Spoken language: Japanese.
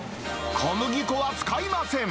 小麦粉は使いません。